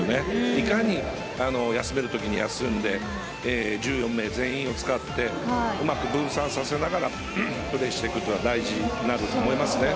いかに、休める時に休んで１４名全員を使ってうまく分散させながらプレーしていくことが大事になると思います。